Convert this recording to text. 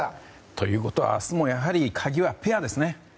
ということは明日も鍵はペアですね。